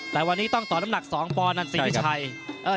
ต้องต่อน้ำหนัก๒ปอนด์นั่นสิทธิ์ไทย